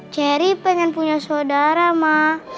cherry pengen punya saudara mak